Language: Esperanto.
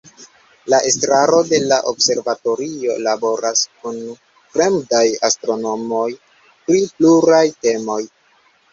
La estraro de la observatorio laboras kun fremdaj astronomoj pri pluraj temoj.